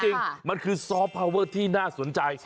จริงมันคือซอฟต์พาวเวอร์ที่น่าสนใจ